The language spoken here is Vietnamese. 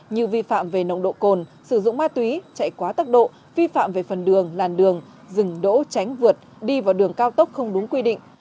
như vi phạm về nồng độ cồn sử dụng ma túy chạy quá tốc độ vi phạm về phần đường làn đường dừng đỗ tránh vượt đi vào đường cao tốc không đúng quy định